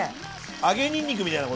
揚げにんにくみたいな事？